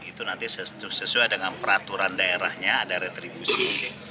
itu nanti sesuai dengan peraturan daerahnya ada retribusi